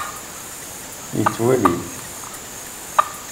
Yettwali-t.